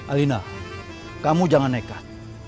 alina kamu jangan nekat